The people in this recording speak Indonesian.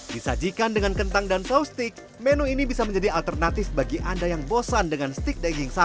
disajikan dengan kentang dan saus stik menu ini bisa menjadi alternatif bagi anda yang bosan dengan stik